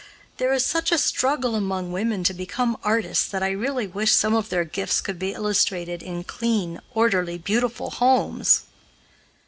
There is such a struggle among women to become artists that I really wish some of their gifts could be illustrated in clean, orderly, beautiful homes.